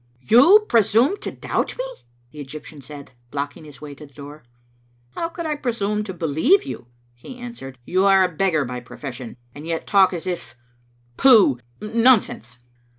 "You presume to doubt me!" the Egyptian said, blocking his way to the door. " How could I presume to believe you?" he answered. " You are a beggar by profession, and yet talk as if — pooh, nonsense."